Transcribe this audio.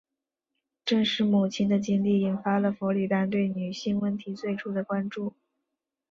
正是母亲的经历引发了弗里丹对女性问题最初的关注。